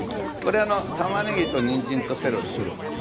たまねぎとにんじんとセロリです。